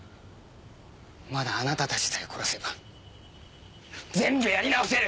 まだあなたたちさえ殺せば全部やり直せる。